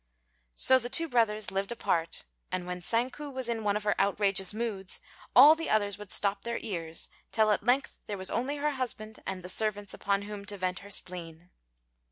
So the two brothers lived apart; and when Tsang ku was in one of her outrageous moods, all the others would stop their ears, till at length there was only her husband and the servants upon whom to vent her spleen.